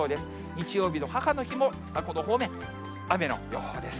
日曜日の母の日も、この方面、雨の予報です。